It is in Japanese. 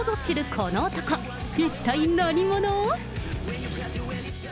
この男、一体何者？